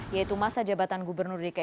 yaitu masa jabatan gubernur dki jakarta